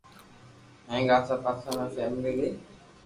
ھینگ آسا پاسا ۾ ڦیھلِي گئي